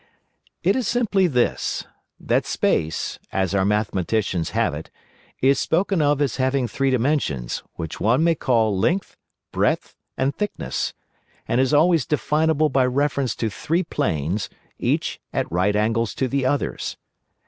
"It is simply this. That Space, as our mathematicians have it, is spoken of as having three dimensions, which one may call Length, Breadth, and Thickness, and is always definable by reference to three planes, each at right angles to the others.